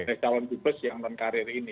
dari calon jubes yang non karir ini